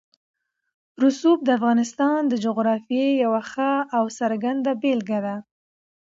رسوب د افغانستان د جغرافیې یوه ښه او څرګنده بېلګه ده.